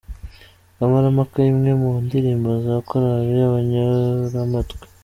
"Kamarampaka" imwe mu ndirimbo za Chorale Abanyuramatwi.